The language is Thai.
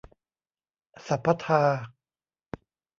สัพพะทา